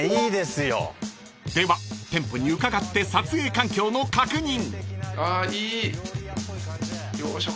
［では店舗に伺って撮影環境の確認］